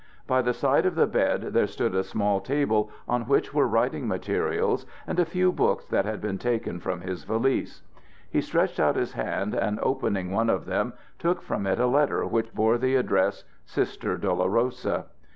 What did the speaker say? By the side of the bed there stood a small table on which were writing materials and a few books that had been taken from his valise. He stretched out his hand and opening one of them took from it a letter which bore the address, "Sister Dolorosa."